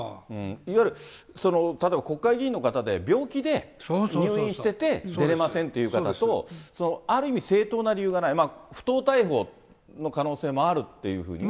いわゆる、例えば国会議員の方で病気で入院してて出れませんという方と、ある意味、正当な理由がない、不当逮捕の可能性もあるっていうふうにね。